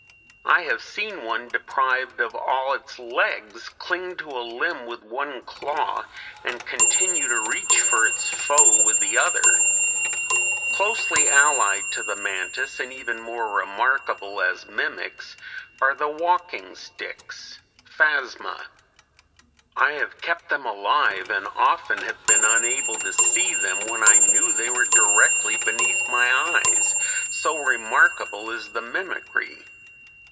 I have seen one deprived of all its legs cling to a limb with one claw and continue to reach for its foe with the other. [Illustration: FIG. 193. Walking stick.] Closely allied to the mantis, and even more remarkable as mimics, are the walking sticks (Phasma) (Fig. 193). I have kept them alive, and often have been unable to see them when I knew they were directly beneath my eyes, so remarkable is the mimicry.